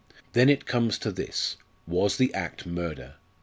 Then it comes to this was the act murder?